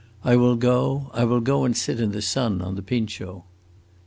I will go I will go and sit in the sun on the Pincio!"